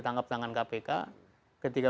tangkap tangan kpk ketika